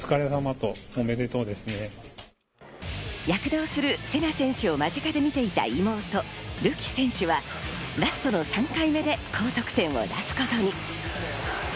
躍動する、せな選手を間近で見ていた妹・るき選手はラストの３回目で高得点を出すことに。